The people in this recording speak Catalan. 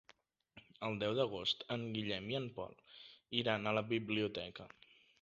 El deu d'agost en Guillem i en Pol iran a la biblioteca.